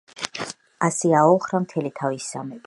ასე ააოხრა მთელი თავისი სამეფო.